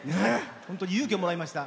本当に勇気をもらいました。